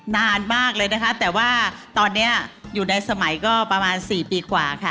นานมากเลยนะคะแต่ว่าตอนนี้อยู่ในสมัยก็ประมาณ๔ปีกว่าค่ะ